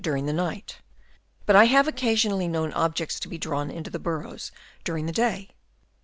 during the night; but I have occasionally known objects to be drawn into the burrows during the day.